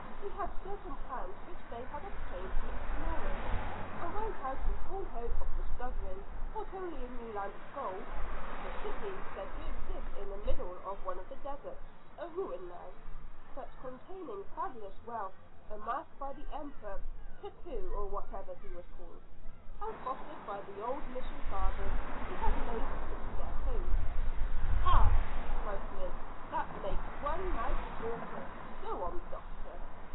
They had certain plans which they had obtained from explorers, and went out in full hope of discovering not only a new land of gold, but a city said to exist in the middle of one of the deserts, a ruin now, but containing fabulous wealth amassed by the emperor, cacique, or whatever he was called, and fostered by the old mission fathers, who had made the city their home." "Hah!" cried Griggs. "This makes one's mouth water. Go on, doctor."